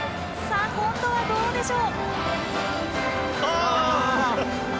今度はどうでしょう。